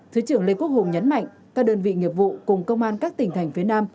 thứ trưởng lê quốc hùng nhấn mạnh các đơn vị nghiệp vụ cùng công an các tỉnh thành phía nam